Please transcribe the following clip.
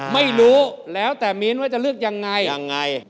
ไม่รู้แล้วแต่มีนว่าจะเลือกยังไง